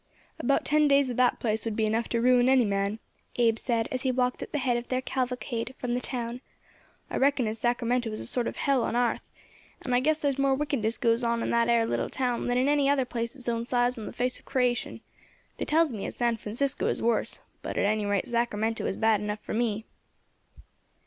"About ten days of that place would be enough to ruin any man," Abe said, as they walked at the head of their cavalcade from the town. "I reckon as Sacramento is a sort of hell on arth, and guess there's more wickedness goes on in that ere little town than in any other place its own size on the face of creation. They tells me as San Francisco is worse, but at any rate Sacramento is bad enough for me."